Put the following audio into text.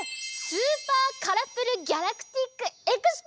スーパーカラフルギャラクティックエクス。